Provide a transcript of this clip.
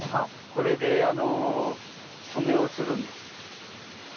これで染めをするんです。